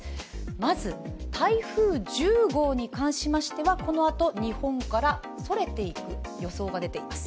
まず台風１０号に関しましては、このあと、日本からそれていく予想が出ています。